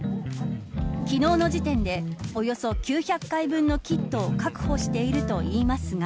昨日の時点でおよそ９００回分のキットを確保しているといいますが。